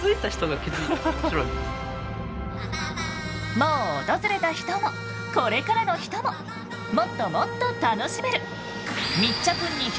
もう訪れた人もこれからの人ももっともっと楽しめる。